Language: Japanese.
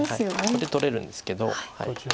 これで取れるんですけど。